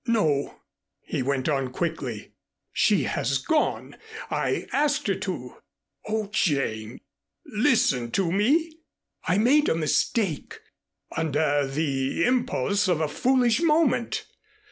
"No," he went on quickly. "She has gone. I asked her to. Oh, Jane, listen to me. I made a mistake under the impulse of a foolish moment.